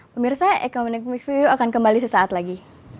pemirsa economic review akan kembali sesaat lagi